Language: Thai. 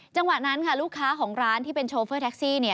จังหวะนั้นค่ะลูกค้าของร้านที่เป็นโชเฟอร์แท็กซี่